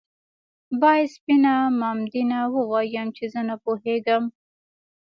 باید سپينه مامدينه ووايم چې زه نه پوهېدم